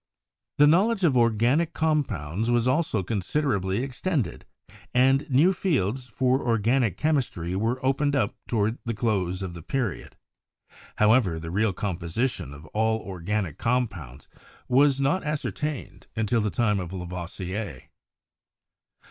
The knowledge of organic compounds was also con siderably extended, and new fields for organic chemistry were opened up toward the close of the period. However, the real composition of all organic compounds was not as certained until the time of Lavoisier.